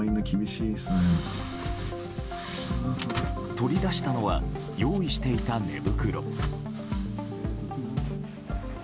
取り出したのは用意していた寝袋。